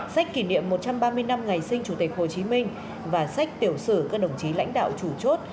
sách kỷ niệm một trăm ba mươi năm ngày sinh chủ tịch hồ chí minh và sách tiểu sử các đồng chí lãnh đạo chủ chốt